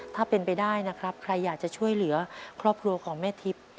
ถ้าเป็นไปได้นะครับใครอยากจะช่วยเหลือครอบครัวของแม่ทิพย์